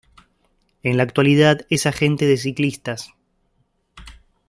En la actualidad es agente de ciclistas.